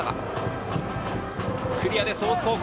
クリアです大津高校。